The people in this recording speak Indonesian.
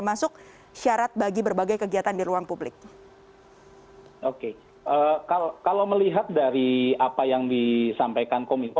oke kalau melihat dari apa yang disampaikan kominfo